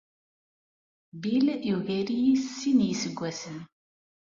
Bill yugar-iyi s sin n yiseggasen.